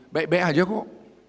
baik baik aja kok